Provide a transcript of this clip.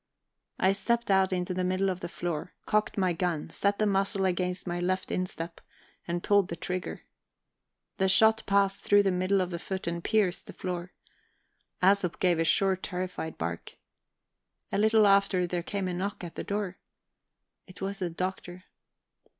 I stepped out into the middle of the floor, cocked my gun, set the muzzle against my left instep, and pulled the trigger. The shot passed through the middle of the foot and pierced the floor. Æsop gave a short terrified bark. A little after there came a knock at the door. It was the Doctor.